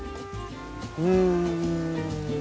うん。